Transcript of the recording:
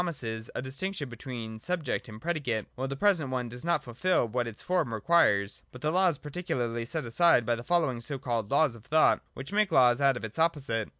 [iij mises a distinction between subject and predicate; while the present one does not fulfil what its form requires. But the Law is particularly set aside by the following so called Laws of Thought, which make laws out of its opposite.